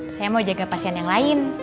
saya mau jaga pasien yang lain